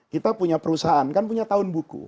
kita punya perusahaan kan punya tahun buku